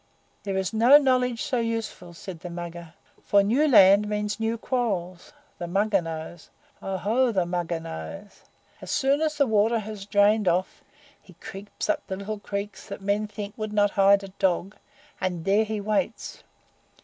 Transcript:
"There is no knowledge so useful," said the Mugger, "for new land means new quarrels. The Mugger knows. Oho! the Mugger knows. As soon as the water has drained off, he creeps up the little creeks that men think would not hide a dog, and there he waits.